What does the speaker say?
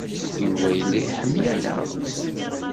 Yuba yella iḥemmel-aneɣ.